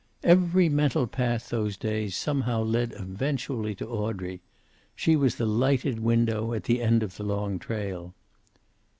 Every mental path, those days, somehow led eventually to Audrey. She was the lighted window at the end of the long trail.